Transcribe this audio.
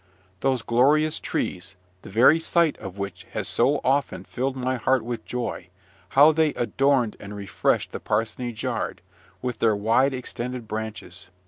Those glorious trees, the very sight of which has so often filled my heart with joy, how they adorned and refreshed the parsonage yard, with their wide extended branches!